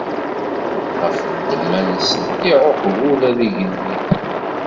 Ɣef ddemma-nsen, iɛuqeb ula d igelliden.